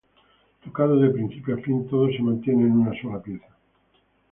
Tocado de principio a fin, todo se mantiene en una sola pieza".